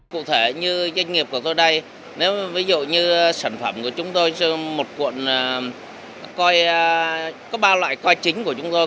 cụ thể như doanh nghiệp của tôi đây nếu ví dụ như sản phẩm của chúng tôi một cuộn coi có ba loại coi chính của chúng tôi